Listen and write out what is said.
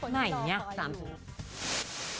ไหนเนี่ยสามสูง